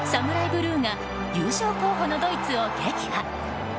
ブルーが優勝候補のドイツを撃破。